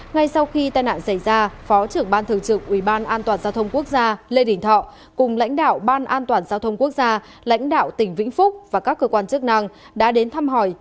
ngay sau khi tai nạn xảy ra phó trưởng ban thường trực ubnd giao thông quốc gia lê đình thọ cùng lãnh đạo ban an toàn giao thông quốc gia